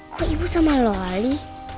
kok ibu sama loli